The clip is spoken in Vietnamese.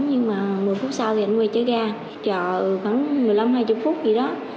nhưng mà một mươi phút sau thì ảnh quay trở ra chờ khoảng một mươi năm hai mươi phút gì đó